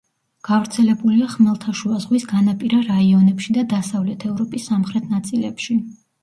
გავრცელებულია ხმელთაშუა ზღვის განაპირა რაიონებში და დასავლეთ ევროპის სამხრეთ ნაწილებში.